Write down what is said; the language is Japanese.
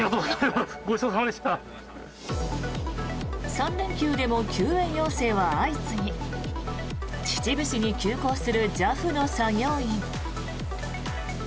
３連休でも救援要請は相次ぎ秩父市に急行するＪＡＦの作業員。